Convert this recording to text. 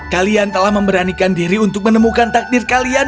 kalian telah memberanikan diri untuk menemukan takdir kalian